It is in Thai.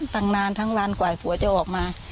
ตั้งนานทั้งวันกว่าผัวจะออกมา